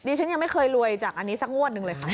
ฉันยังไม่เคยรวยจากอันนี้สักงวดหนึ่งเลยค่ะ